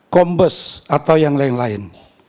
kombes atau yang lain lain